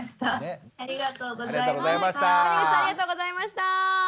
谷口さんありがとうございました。